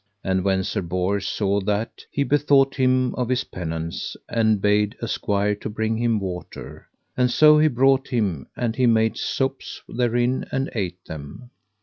And when Sir Bors saw that, he bethought him on his penance, and bade a squire to bring him water. And so he brought him, and he made sops therein and ate them.